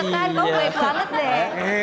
kamu baik banget deh